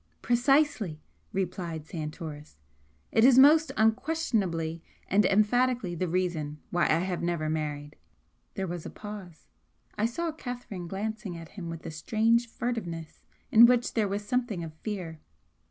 "Precisely!" replied Santoris. "It is most unquestionably and emphatically the reason why I have never married." There was a pause. I saw Catherine glancing at him with a strange furtiveness in which there was something of fear.